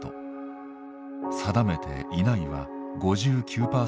「定めていない」は５９％でした。